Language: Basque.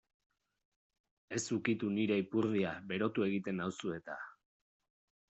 Ez ukitu nire ipurdia berotu egiten nauzu eta.